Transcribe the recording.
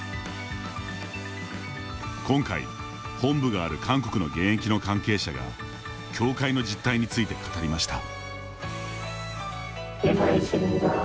今回、本部がある韓国の現役の関係者が教会の実態について語りました。